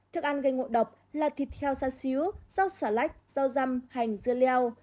thức ăn gây ngộ độc là thịt heo xa xỉu rau xà lách rau răm hành dưa leo